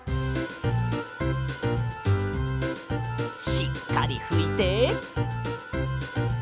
しっかりふいて。